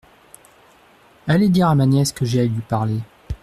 Allez dire à ma nièce que j’ai à lui parler.